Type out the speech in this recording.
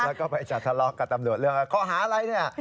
แล้วก็ไปจะทะเลาะกับตำรวจเรื่องข้อหาอะไรเนี่ย